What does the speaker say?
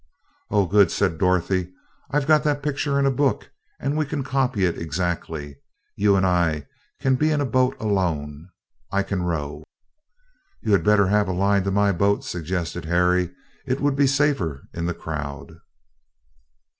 "Oh, good!" said Dorothy. "I've got that picture in a book, and we can copy it exactly. You and I can be in a boat alone. I can row." "You had better have a line to my boat," suggested Harry. "It would be safer in the crowd."